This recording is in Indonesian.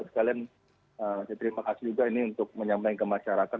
saya terima kasih juga untuk menyampaikan ke masyarakat